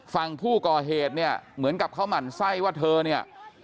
ฝั่งผู้ก่อเหตุเนี่ยเหมือนกับเขาหมั่นไส้ว่าเธอเนี่ย